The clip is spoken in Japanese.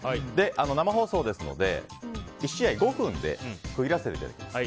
生放送ですので１試合５分で区切らせていただきます。